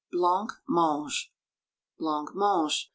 BLANCMANGES BLANCMANGE.